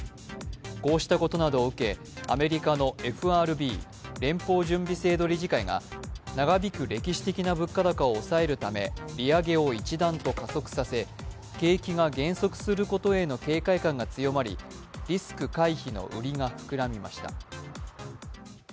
こうしたことなどを受け、アメリカのＦＲＢ＝連邦準備理事会が長引く歴史的な物価高を抑えるため、利上げを一段と加速させ景気が減速することへの警戒感が強まりリスク回避の売りが膨らみました。